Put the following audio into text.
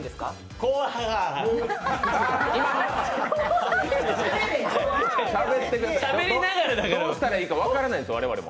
こう、はがどうしたらいいか分からないんです、我々も。